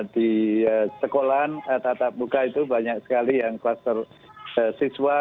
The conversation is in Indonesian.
di sekolah tatap muka itu banyak sekali yang kluster siswa